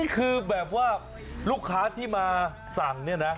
คือแบบว่าลูกค้าที่มาสั่งเนี่ยนะ